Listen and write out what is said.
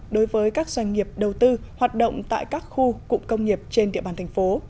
đối với các doanh nghiệp đầu tư hoạt động tại các khu cụm công nghiệp trên địa bàn thành phố